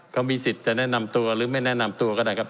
เขามีสิทธิ์จะแนะนำตัวหรือไม่แนะนำตัวก็ได้ครับ